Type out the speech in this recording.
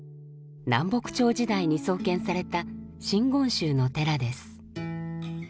南北朝時代に創建された真言宗の寺です。